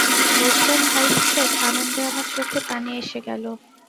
বুঝলেন ভাইসাহেব, আনন্দে আমার চোখে পানি এসে গেল।